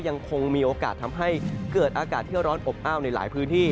ยังคงมีโอกาสทำให้เกิดอากาศที่ร้อนอบอ้าวในหลายพื้นที่